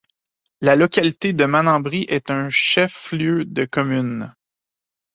La localité de Mananbri est un chef-lieu de commune.